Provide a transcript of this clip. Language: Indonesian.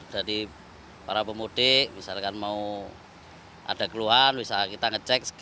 jadi para pemudik misalkan mau ada keluhan bisa kita ngecek